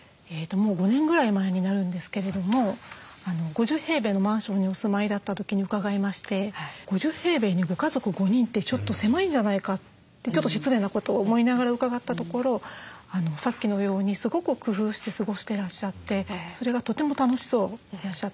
もう５年ぐらい前になるんですけれども５０のマンションにお住まいだった時に伺いまして５０にご家族５人ってちょっと狭いんじゃないかってちょっと失礼なことを思いながら伺ったところさっきのようにすごく工夫して過ごしてらっしゃってそれがとても楽しそうでいらっしゃった。